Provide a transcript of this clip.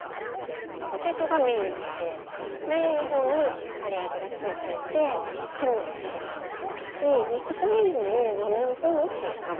ポテトがメインなのでメインのほうにしっかり味が付いていてハムは味が付いてますしミックスビーンズも豆の風味っていうか